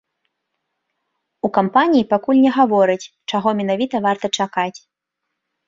У кампаніі пакуль не гавораць, чаго менавіта варта чакаць.